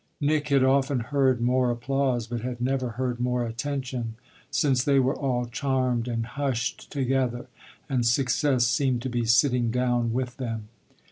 Nick had often heard more applause, but had never heard more attention, since they were all charmed and hushed together and success seemed to be sitting down with them.